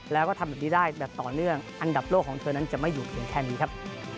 แล้วก็ทำแบบนี้ได้แบบต่อเนื่องอันดับโลกของเธอนั้นจะไม่อยู่เพียงแค่นี้ครับ